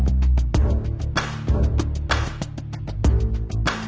เรื่องกรี๊บทำอะไรอ่ะกรี๊บน่ากับด่ายกมาก